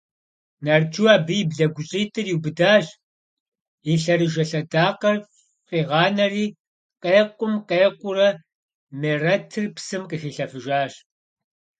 Нарчу абы и блэгущӀитӀыр иубыдщ, и лъэрыжэ лъэдакъэр фӀигъанэри къекъум къекъуурэ Мерэтыр псым къыхилъэфыжащ.